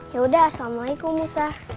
yaudah assalamualaikum musa